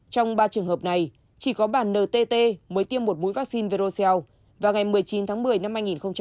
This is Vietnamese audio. trong ba trường hợp này chỉ có bản ntt mới tiêm một mũi vaccine verocel vào ngày một mươi chín tháng một mươi năm hai nghìn hai mươi